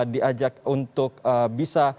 diajak untuk bisa